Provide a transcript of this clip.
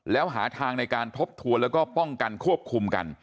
แล้วหาทางในการทบทวนแล้วก็ป้องกันควบคุมกัน